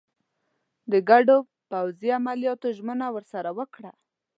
د ګډو پوځي عملیاتو ژمنه ورسره وکړه.